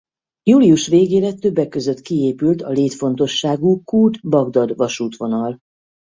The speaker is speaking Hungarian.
Július végére többek között kiépült a létfontosságú Kút–Bagdad vasútvonal.